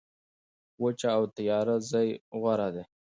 وچه او تیاره ځای غوره دی.